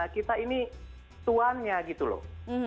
kita ini tuannya gitu loh